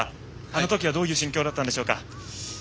あの時は、どういう心境だったんでしょうか？